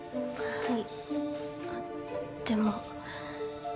はい。